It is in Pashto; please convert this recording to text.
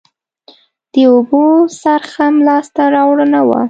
د اوبو څرخ هم لاسته راوړنه وه